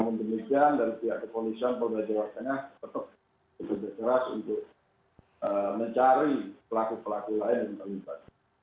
namun demikian dari pihak kepolisian perubahan jawabannya tetap lebih berceras untuk mencari pelaku pelaku lain yang terlibat